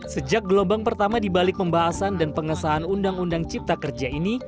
sejak gelombang pertama dibalik pembahasan dan pengesahan undang undang cipta kerja ini